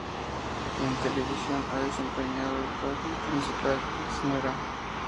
En televisión ha desempeñado el papel principal, la Sra.